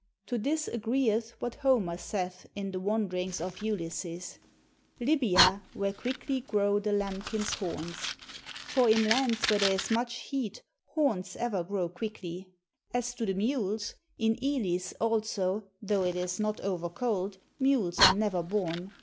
To this agreeth what Homer saith in the "Wan derings of Ulysses" —" Libya, where quickly grow the lambkin's horns." For in lands where there is much heat horns ever grow 14 CUSTOMS OF THE SCYTHIANS quickly. As to the mules, in Elis also, though it is not over cold, mules are never born.